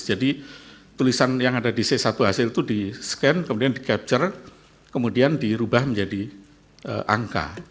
jadi tulisan yang ada di c satu hasil itu di scan kemudian di capture kemudian di rubah menjadi angka